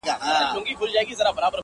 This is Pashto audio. زه !! ته او سپوږمۍ!!